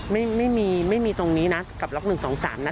ไม่มีไม่มีตรงนี้นะกับล็อก๑๒๓นะ